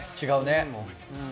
違うね。